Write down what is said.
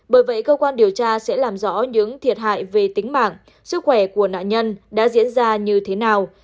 bởi vậy cơ quan điều tra sẽ làm rõ những thiệt hại về tính mạng sức khỏe của nạn nhân đã diễn ra như thế nào